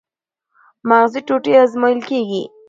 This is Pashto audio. مغزي ټوټې ازمویل کېږي.